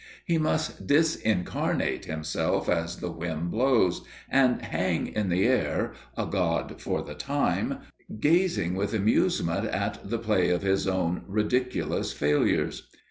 He must disincarnate himself as the whim blows, and hang in the air, a god for the time, gazing with amusement at the play of his own ridiculous failures.